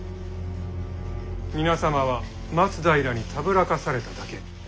皆様は松平にたぶらかされただけ。